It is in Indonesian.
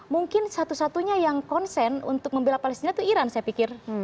mungkin satu satunya yang konsen untuk membela palestina itu iran saya pikir